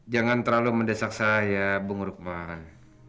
jangan terlalu mendesak saya bung rukman